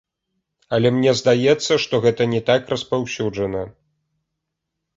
Але мне здаецца, што гэта не так распаўсюджана.